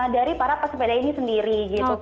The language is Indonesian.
dari para pesepeda ini sendiri gitu